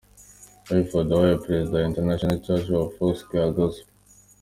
Hayford, wabaye Perezida wa the International Church of the Foursquare Gospel.